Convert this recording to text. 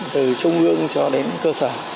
từ trung ương cho đến cơ sở